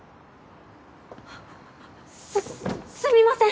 すすみません！